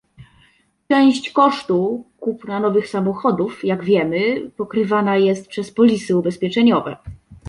Część kosztu kupna nowych samochodów, jak wiemy, pokrywana jest przez polisy ubezpieczeniowe